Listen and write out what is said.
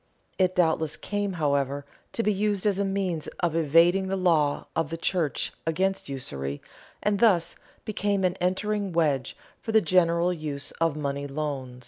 It doubtless came, however, to be used as a means of evading the law of the church against usury, and thus became an entering wedge for the general use of money loans.